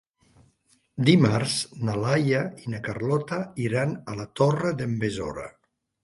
Dimarts na Laia i na Carlota iran a la Torre d'en Besora.